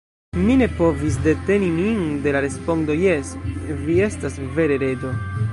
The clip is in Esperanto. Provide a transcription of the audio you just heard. Mi ne povis deteni min de la respondo: "Jes, vi estas vere Reĝo."